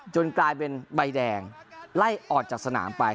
กลายเป็นใบแดงไล่ออกจากสนามไป